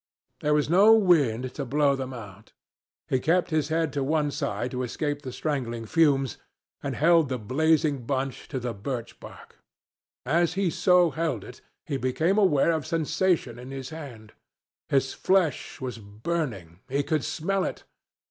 There was no wind to blow them out. He kept his head to one side to escape the strangling fumes, and held the blazing bunch to the birch bark. As he so held it, he became aware of sensation in his hand. His flesh was burning. He could smell it.